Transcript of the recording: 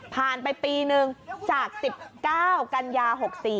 ไปปีนึงจาก๑๙กันยา๖๔